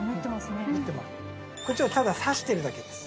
こっちはたださしてるだけです。